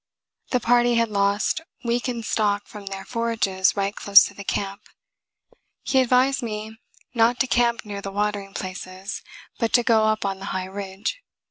The party had lost weakened stock from their forages right close to the camp. He advised me not to camp near the watering places, but to go up on the high ridge.